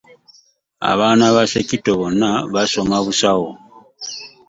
Abaana ba Ssekitto bonna baasoma busawo.